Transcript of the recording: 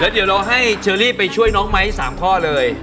เดี๋ยวเราให้เชอรี่ไปช่วยน้องไม้๓ข้อเลย